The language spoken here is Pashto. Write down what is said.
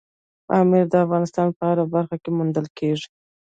پامیر د افغانستان په هره برخه کې موندل کېږي.